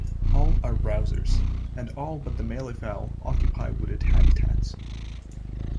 All are browsers, and all but the malleefowl occupy wooded habitats.